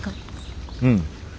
うん。